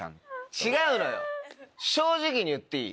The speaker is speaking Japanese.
違うのよ正直に言っていい？